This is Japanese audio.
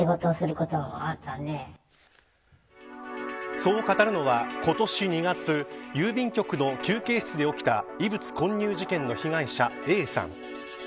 そう語るのは、今年２月郵便局の休憩室で起きた異物混入事件の被害者Ａさん。